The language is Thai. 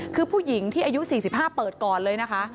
คือผู้หญิงที่อายุ๔๕เปิดก่อนเลยนะคะ